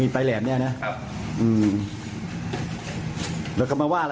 ที่เกิดเกิดเหตุอยู่หมู่๖บ้านน้ำผู้ตะมนต์ทุ่งโพนะครับที่เกิดเกิดเหตุอยู่หมู่๖บ้านน้ำผู้ตะมนต์ทุ่งโพนะครับ